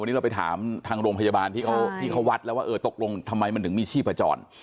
วันนี้เราไปถามทางโรงพยาบาลที่เขาวัดแล้วว่าเออตกลงทำไมมันถึงมีชีพจร